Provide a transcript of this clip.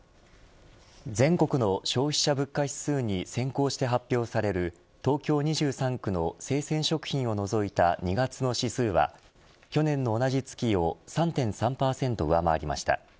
全国の消費者物価指数に先行して発表される東京２３区の生鮮食品を除いた２月の指数は去年の同じ月を３．３％上回りました。